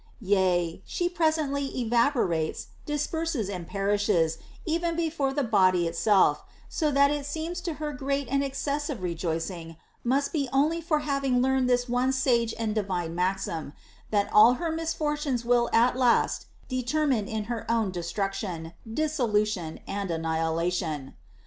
* Yea, she presently evaporates, disperses, and perishes, even before the body itself; so that it seems her great and ex cessive rejoicing must be only for having learned this one sage and divine maxim, that all her misfortunes will at last determine in her own destruction, dissolution, and an nihilation.